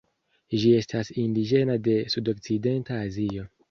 Ĝi estas indiĝena de sudokcidenta Azio.